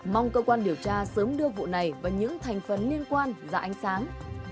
mong cơ quan điều tra sớm đưa vụ này vào những thành phần liên quan ra ánh sáng